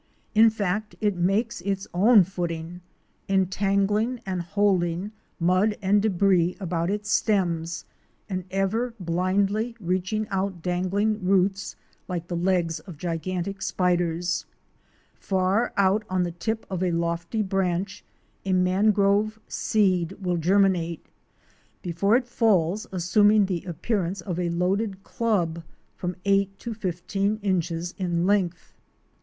In fact, it makes its own footing, entangling and holding mud and débris about its stems, and ever blindly reaching out dangling roots, like the legs of gigantic spiders. Far out on the tip of a lofty branch a mangrove seed will germinate, before it falls assuming the appearance of a loaded club from eight to fifteen inches in length.